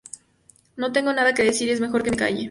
No tengo nada que decir y es mejor que me calle.